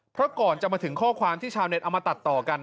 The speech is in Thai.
เพราะก่อนจะมาถึงข้อความที่ชาวเน็ตเอามาตัดต่อกัน